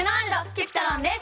Ｃｕｐｉｔｒｏｎです。